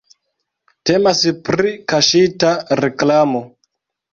Temas pri kaŝita reklamo.